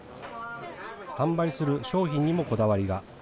販売する商品にもこだわりが。